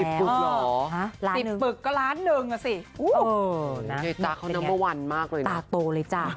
ปึกเหรอ๑๐ปึกก็ล้านหนึ่งอ่ะสิเจ๊ตาเขานัมเบอร์วันมากเลยนะตาโตเลยจ้ะ